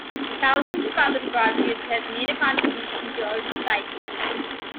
Thousands of other graduates have made a contribution to our society.